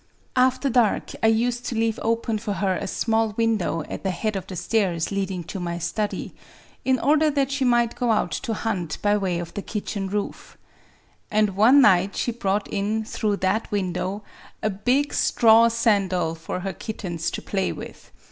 After dark I used to leave open for her a small window at the head of the stairs leading to my study, — in order that she might go out to hunt by way of the kitchen roof. And one night she brought in, through that window, a big straw sandal for her kittens to play with.